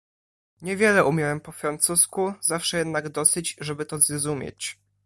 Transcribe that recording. "Niewiele umiałem po francusku, zawsze jednak dosyć, żeby to zrozumieć."